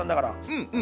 うんうん。